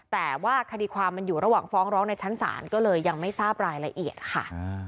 แต่ว่าคดีความมันอยู่ระหว่างฟ้องร้องในชั้นศาลก็เลยยังไม่ทราบรายละเอียดค่ะ